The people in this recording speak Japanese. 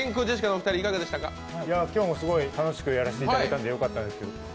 今日も楽しくやらせていただいたのでよかったんですけど。